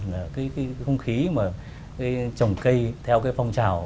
là cái không khí mà trồng cây theo cái phong trào